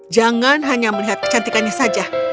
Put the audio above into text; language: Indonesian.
jangan hanya melihat kecantikannya saja